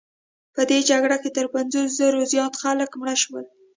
په دې جګړو کې تر پنځوس زره خلکو زیات مړه شول.